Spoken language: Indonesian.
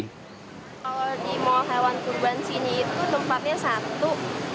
kalau di mall hewan kurban sini itu tempatnya satu